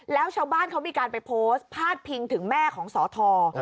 แล้วชาวบ้านเขามีการไปโพสต์พาดพิงถึงแม่ของสอทอ